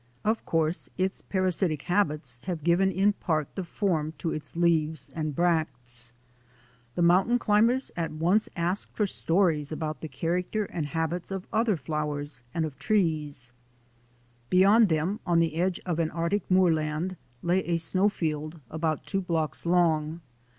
Of course its parasitic habits have given in part the form to its leaves and bracts." The mountain climbers at once asked for stories about the character and habits of other flowers and of the trees. Beyond them on the edge of an Arctic moorland lay a snowfield about two blocks long.